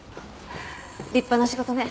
立派な仕事ね。